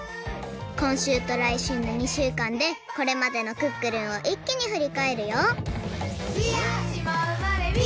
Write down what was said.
こんしゅうとらいしゅうの２しゅうかんでこれまでの「クックルン」をいっきにふりかえるよ！